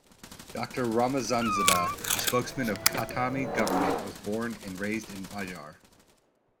Doctor Ramezanzadeh, the spokesman of Khatami government has was born and raised in Bijar.